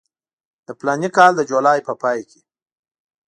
د فلاني کال د جولای په پای کې.